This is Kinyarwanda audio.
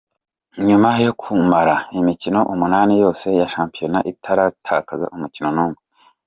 Nyuma yo kumara imikino umunani yose ya shampiyona itaratakaza umukino n'umwe,.